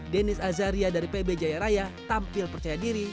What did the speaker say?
denis azaria dari pb jaya raya tampil percaya diri